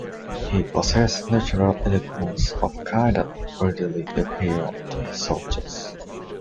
He possessed natural eloquence of a kind that readily appealed to his soldiers.